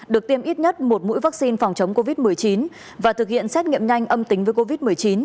được tiêm ít nhất một mũi vaccine phòng chống covid một mươi chín và thực hiện xét nghiệm nhanh âm tính với covid một mươi chín